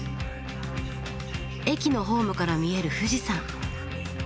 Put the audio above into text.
駅のホームから見える富士山。